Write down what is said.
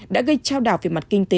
đã gây trao đảo về mặt kinh tế